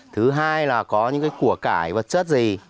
thứ hai là có những cái của cải vật chất gì